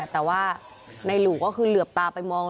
แต่ว่าในหลู่ก็คือเหลือบตาไปมอง